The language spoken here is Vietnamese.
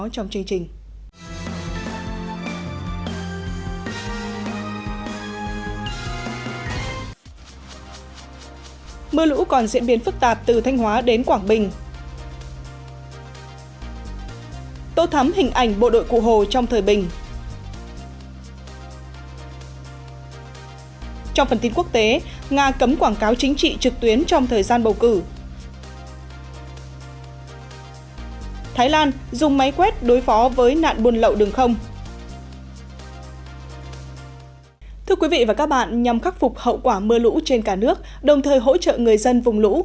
thưa quý vị và các bạn nhằm khắc phục hậu quả mưa lũ trên cả nước đồng thời hỗ trợ người dân vùng lũ